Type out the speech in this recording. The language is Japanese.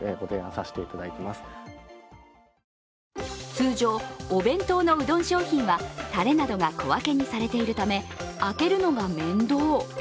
通常、お弁当のうどん商品はタレなどが小分けにされているため開けるのが面倒。